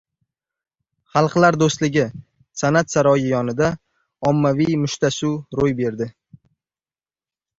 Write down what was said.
“Xalqlar do‘stligi” san’at saroyi yonida ommaviy mushtlashuv ro‘y berdi